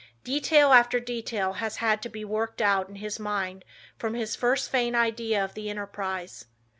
Detail after detail has had to be worked out in his mind from his first faint idea of the enterprise.